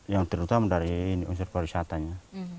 yang terutama dari unsur pariwisatanya